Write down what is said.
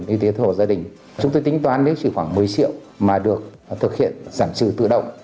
với việc tích hợp gia đình chúng tôi tính toán nếu chỉ khoảng một mươi triệu mà được thực hiện giảm trừ tự động